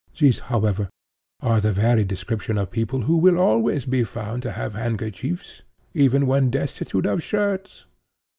These, however, are the very description of people who will always be found to have handkerchiefs even when destitute of shirts.